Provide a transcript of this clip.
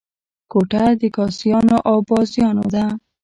کوټه د کاسيانو او بازیانو ده.